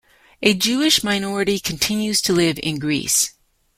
A Jewish minority continues to live in Greece.